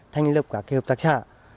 thành lập các hợp tác xã